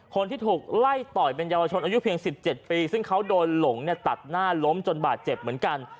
คนที่ถูกไล่ต่อยเป็นเยาวชนอายุเพียง๑๗ปีซึ่งเขาโดนหลงเนี่ยตัดหน้าล้มจนบาดเจ็บเหมือนกัน